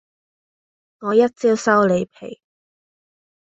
我一招收你皮